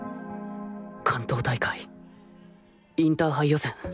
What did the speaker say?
関東大会インターハイ予選